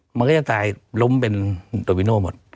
มันก็จะตายล้มเป็นโตวิโน่หมด